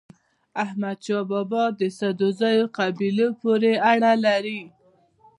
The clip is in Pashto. احمد شاه بابا د سدوزيو قبيلې پورې اړه لري.